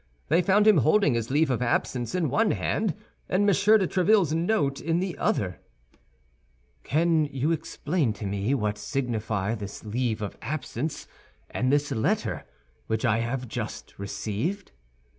They found him holding his leave of absence in one hand, and M. de Tréville's note in the other. "Can you explain to me what signify this leave of absence and this letter, which I have just received?"